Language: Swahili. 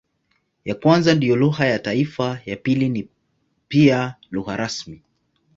Ya kwanza ndiyo lugha ya taifa, ya pili ni pia lugha rasmi.